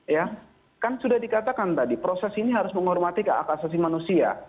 ya kan sudah dikatakan tadi proses ini harus menghormati keakasasi manusia